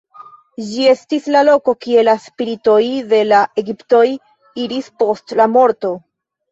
Ĝi estis la loko kie la spiritoj de la egiptoj iris post la morto.